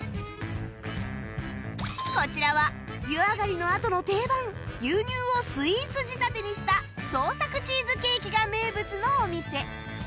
こちらは湯上がりのあとの定番牛乳をスイーツ仕立てにした創作チーズケーキが名物のお店